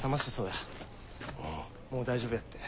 もう大丈夫やって。